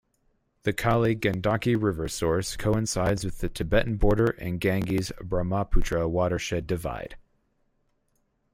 The Kali Gandaki river source coincides with the Tibetan border and Ganges-Brahmaputra watershed divide.